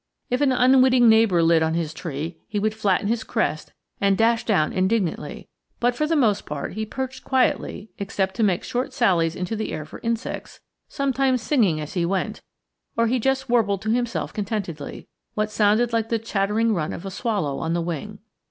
If an unwitting neighbor lit on his tree he would flatten his crest and dash down indignantly, but for the most part he perched quietly except to make short sallies into the air for insects, sometimes singing as he went; or he just warbled to himself contentedly, what sounded like the chattering run of a swallow on the wing.